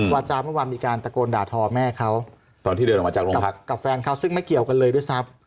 วาจาเมื่อวานมีการตะโกนด่าทอแม่เขากับแฟนเขาซึ่งไม่เกี่ยวกันเลยด้วยซับ